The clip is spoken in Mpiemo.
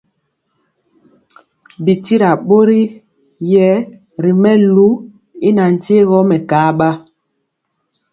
Bi tyira bori rɛye ri melu y nantye gɔ mɛkaba.